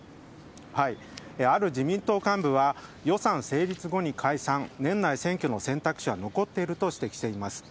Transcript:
ある自民党幹部は予算成立後に解散年内選挙の選択肢は残っていると指摘しています。